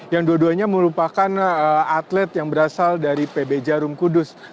yang dua duanya merupakan atlet yang berasal dari pb jarum kudus